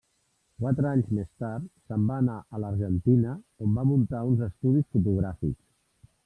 Quatre anys més tard se'n va anar a l'Argentina on va muntar uns estudis fotogràfics.